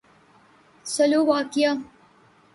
Slovakia